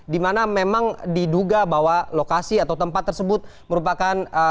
di mana memang diduga bahwa lokasi atau tempat tersebut merupakan kawasan yang beresiko